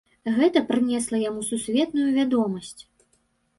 Гэта прынесла яму сусветную вядомасць.